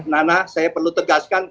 nana saya perlu tegaskan